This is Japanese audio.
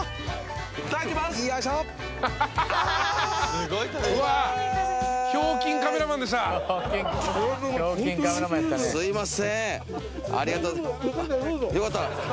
すいません。